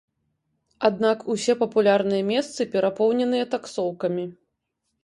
Аднак усе папулярныя месцы перапоўненыя таксоўкамі.